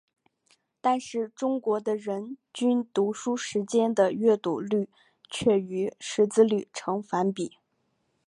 但是中国的人均读书时间的阅读率却与识字率呈反比。